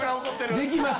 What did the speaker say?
できます。